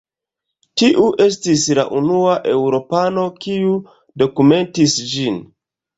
Tiu estis la unua eŭropano kiu dokumentis ĝin.